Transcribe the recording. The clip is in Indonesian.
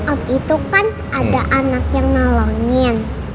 oh itu kan ada anak yang nolongin